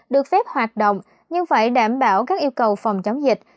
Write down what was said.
được phép hoạt động nhưng phải đảm bảo các yêu cầu phòng chống dịch